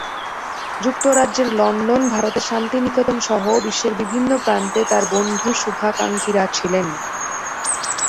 যুক্তরাজ্যের লন্ডন, ভারতের শান্তিনিকেতনসহ বিশ্বের বিভিন্ন প্রান্তে তাঁর বন্ধু, শুভাকাঙ্ক্ষীরা ছিলেন।